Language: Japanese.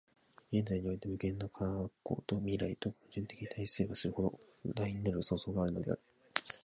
現在において無限の過去と未来とが矛盾的に対立すればするほど、大なる創造があるのである。